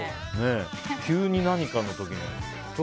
急に何かの時に。